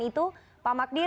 itu pak magdir